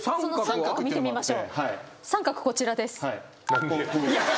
三角こちらです。